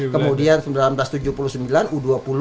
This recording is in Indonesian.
kemudian seribu sembilan ratus tujuh puluh sembilan u dua puluh